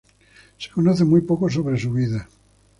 Se conoce muy poco sobre su vida.